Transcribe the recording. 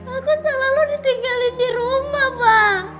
aku selalu ditinggalin di rumah pak